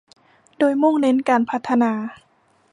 โดยมุ่งเน้นการพัฒนา